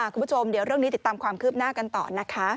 คุณผู้ชมเดี๋ยวเรื่องนี้ติดตามความคืบหน้ากันต่อนะคะ